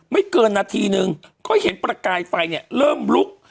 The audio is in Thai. เกินนาทีนึงก็เห็นประกายไฟเนี่ยเริ่มลุก